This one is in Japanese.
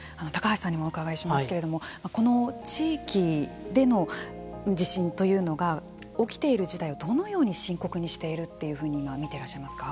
高橋さんにもお伺いしますけれどもこの地域での地震というのが起きている事態をどのように深刻にしていると見ていらっしゃいますか。